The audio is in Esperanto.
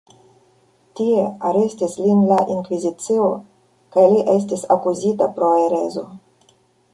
Tie arestis lin la inkvizicio kaj li estis akuzita pro herezo.